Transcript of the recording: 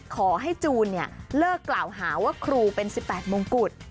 ขอให้จูนเนี่ยเลิกกล่าวหาว่าครูเป็นสิบแปดมงกุฎ